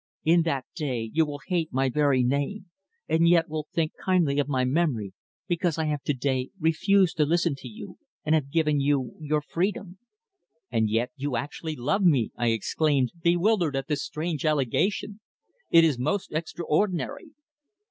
"In that day you will hate my very name, and yet will think kindly of my memory, because I have to day refused to listen to you and have given you your freedom." "And yet you actually love me!" I exclaimed, bewildered at this strange allegation. "It is most extraordinary."